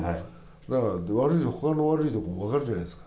だから、ほかの悪い所も分かるじゃないですか。